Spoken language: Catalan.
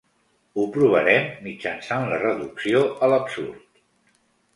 Ho provarem mitjançant la reducció a l'absurd.